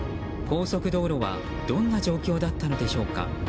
高速道路はどんな状況だったのでしょうか。